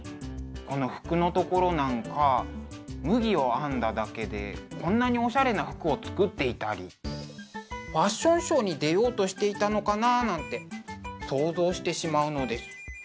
この服のところなんか麦を編んだだけでこんなにおしゃれな服を作っていたりファッションショーに出ようとしていたのかななんて想像してしまうのです。